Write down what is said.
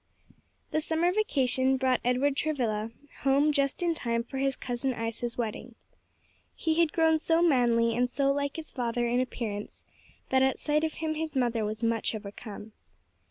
_ The summer vacation brought Edward Travilla home just in time for his cousin Isa's wedding. He had grown so manly and so like his father in appearance that at sight of him his mother was much overcome.